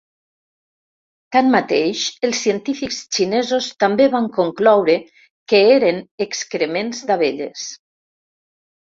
Tanmateix, els científics xinesos també van concloure que eren excrements d'abelles.